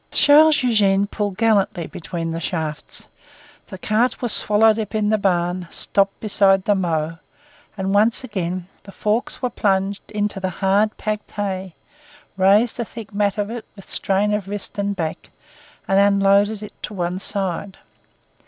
Charles Eugene pulled gallantly between the shafts; the cart was swallowed up in the barn, stopped beside the mow, and once again the forks were plunged into the hard packed hay, raised a thick mat of it with strain of wrist and back, and unloaded it to one side.